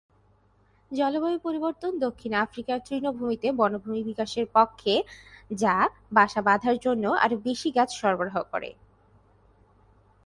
জলবায়ু পরিবর্তন দক্ষিণ আফ্রিকার তৃণভূমিতে বনভূমি বিকাশের পক্ষে, যা বাসা বাঁধার জন্য আরও বেশি গাছ সরবরাহ করে।